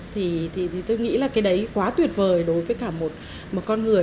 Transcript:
thì tôi nghĩ là cái đấy quá tuyệt vời đối với cả một con người